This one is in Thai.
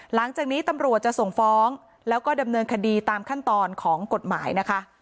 หลังจากนี้ตำรวจจะส่งฟ้องแล้วก็ดำเนินคดีตามขั้นตอนของกฎหมายนะคะ